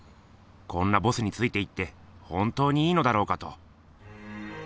こんなボスについて行って本当にいいのだろうかと。